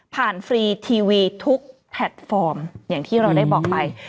ฟรีทีวีทุกแพลตฟอร์มอย่างที่เราได้บอกไป